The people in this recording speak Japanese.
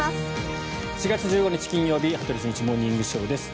４月１５日、金曜日「羽鳥慎一モーニングショー」。